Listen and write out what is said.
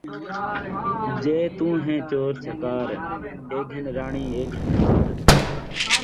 جے توں ہیں چور چکار، اے گھن راݨی اے گھن ہار